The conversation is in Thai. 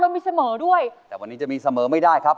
มีเสมอด้วยแต่วันนี้จะมีเสมอไม่ได้ครับ